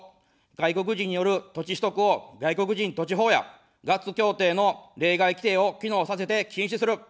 外国人による土地取得を外国人土地法やガッツ協定の例外規定を機能させて禁止する。